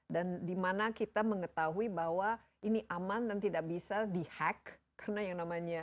dan dimana kita mengetahui bahwa ini aman dan tidak bisa di hack karena yang namanya